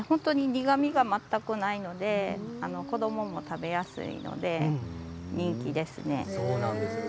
苦みが全くないので子どもも食べやすいので人気ですね。